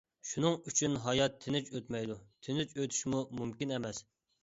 شۇنىڭ ئۈچۈن ھايات تىنچ ئۆتمەيدۇ، تىنچ ئۆتۈشىمۇ مۇمكىن ئەمەس.